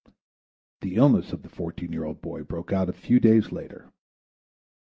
The illness of the fourteen year old boy broke out a few days later.